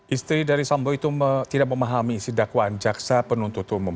istri dari sambo itu tidak memahami isi dakwaan jaksa penuntut umum